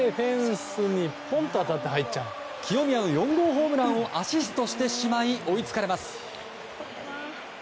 清宮の４号ホームランをアシストしてしまい追いつかれます。